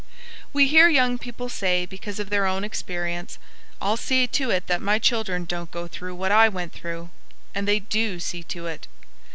We hear young people say because of their own experience, "I'll see to it that my children don't go through what I went through." And they do see to it.